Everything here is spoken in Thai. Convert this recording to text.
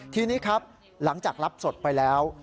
ทีนี้ครับหลังจากรับศพไปแล้ว